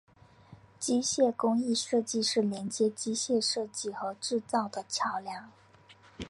机械工艺设计是连接机械设计和制造的桥梁。